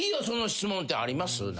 その質問ってあります？